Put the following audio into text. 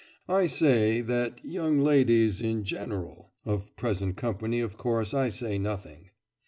'I say that young ladies, in general of present company, of course, I say nothing.